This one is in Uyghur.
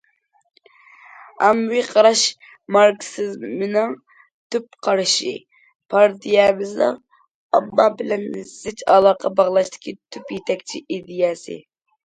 ئاممىۋى قاراش ماركسىزمنىڭ تۈپ قارىشى، پارتىيەمىزنىڭ ئامما بىلەن زىچ ئالاقە باغلاشتىكى تۈپ يېتەكچى ئىدىيەسى.